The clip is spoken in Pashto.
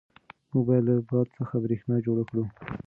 موږ باید له باد څخه برېښنا جوړه کړو.